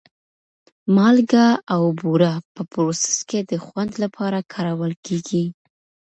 مالګه او بوره په پروسس کې د خوند لپاره کارول کېږي.